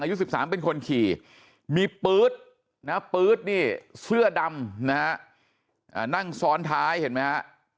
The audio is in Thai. อายุ๑๓เป็นคนขี่มีปื๊ดนะปื๊ดนี่เสื้อดำนะฮะนั่งซ้อนท้ายเห็นไหมฮะ